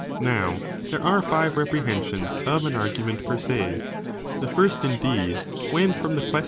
Now there are five reprehensions of an argu ment per se, the first indeed, when from the ques f